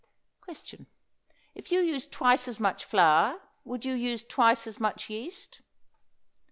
Question. If you use twice as much flour would you use twice as much yeast?